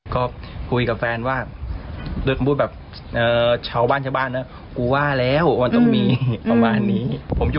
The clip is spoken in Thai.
ก็คุยกับแฟนว่าโดยความพูดแบบเอ่อชาวบ้านชาวบ้านเนอะกูว่าแล้วมันต้องมีของบ้านนี้ผมอยู่